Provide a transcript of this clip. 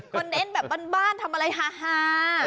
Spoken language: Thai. คอนเทนต์แบบบ้านทำอะไรฮ่า